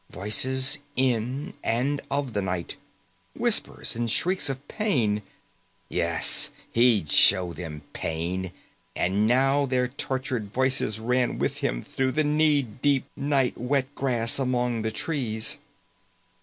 Voices in and of the night. Whispers and shrieks of pain. Yes, he'd shown them pain, and now their tortured voices ran with him through the knee deep, night wet grass among the trees.